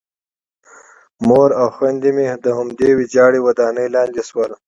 مور او خویندې مې د همدې ویجاړې ودانۍ لاندې شول